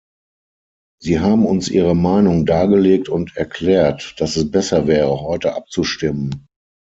Sie haben uns Ihre Meinung dargelegt und erklärt, dass es besser wäre, heute abzustimmen.